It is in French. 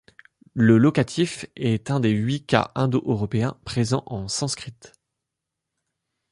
Le locatif est un des huit cas indo-européens, présent en sanskrit.